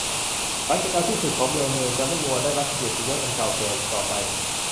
หลังจากการสิ้นสุดของเมือง เมืองจะไม่มีวันได้รับเกียรติยศอันเก่าแก่อีกต่อไป